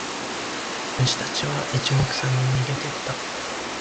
虫たちは一目散に逃げてった。